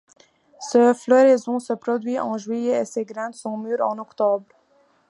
Sa floraison se produit en juillet et ses graines sont mûres en octobre.